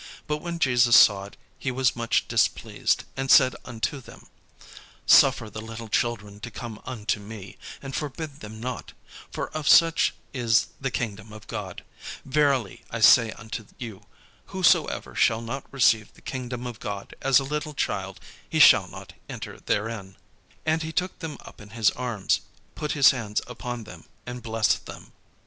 But when Jesus saw it, he was much displeased, and said unto them: "Suffer the little children to come unto me, and forbid them not: for of such is the kingdom of God. Verily I say unto you. Whosoever shall not receive the kingdom of God as a little child, he shall not enter therein." And he took them up in his arms, put his hands upon them, and blessed them.